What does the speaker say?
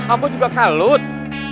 ambo juga kalut